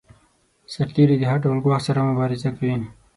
سرتیری د هر ډول ګواښ سره مبارزه کوي.